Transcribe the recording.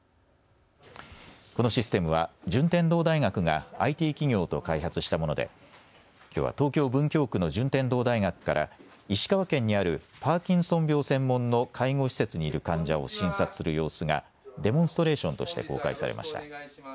このシステムは順天堂大学がＩＴ企業と開発したものできょうは東京文京区の順天堂大学から石川県にあるパーキンソン病専門の介護施設にいる患者を診察する様子がデモンストレーションとして公開されました。